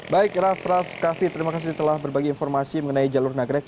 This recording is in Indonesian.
baik raff raff kaffi terima kasih telah berbagi informasi mengenai jalur nagrek